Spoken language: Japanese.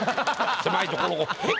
狭い所を。